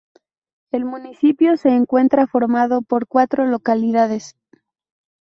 El municipio se encuentra formado por cuatro localidades.